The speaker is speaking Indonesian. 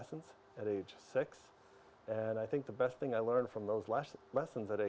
tetapi mereka keluar untuk membantu saya